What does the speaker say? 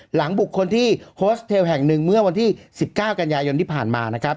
หลังบุคคลที่โฮสเทลแห่งหนึ่งเมื่อวันที่๑๙กันยายนที่ผ่านมานะครับ